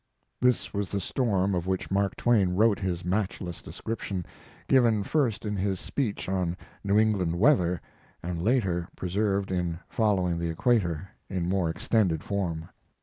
This was the storm of which Mark Twain wrote his matchless description, given first in his speech on New England weather, and later preserved in 'Following the Equator', in more extended form.